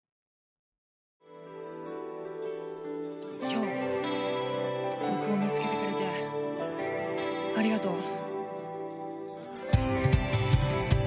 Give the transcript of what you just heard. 今日僕を見つけてくれてありがとう。